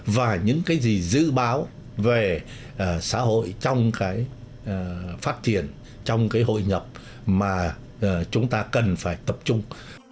và những cái gì dự báo về xã hội trong cái phát triển trong cái hội nhập mà chúng ta cần phải tập trung